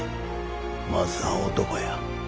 まずは男や。